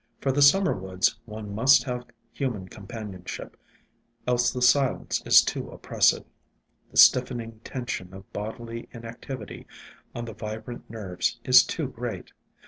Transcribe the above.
For the Summer woods one must have human IN SILENT WOODS 109 companionship, else the silence is too oppressive, the stiffening tension of bodily inactivity on the vibrant nerves is too great.